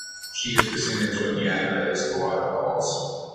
She is to singers what Niagara is to waterfalls.